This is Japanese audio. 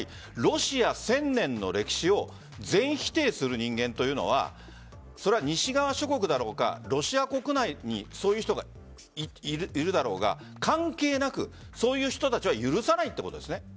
ロシア１０００年の歴史を全否定する人間というのは西側諸国だろうがロシア国内にそういう人がいるだろうが関係なく、そういう人たちは許さないということですね？